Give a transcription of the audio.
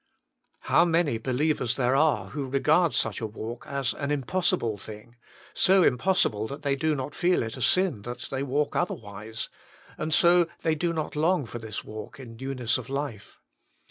How many believers there are who regard such a walk as an impossible thing so impossible that they do not feel it a sin that they " walk o|jher wise "; and so they do not long for this walk in newness of life.